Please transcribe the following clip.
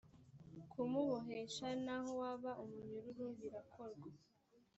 kumubohesha n aho waba umunyururu birakorwa